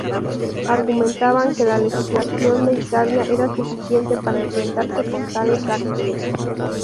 Argumentaban que la legislación de Italia era suficiente para enfrentarse con tales actos.